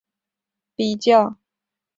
各媒体也有把两人作出比较。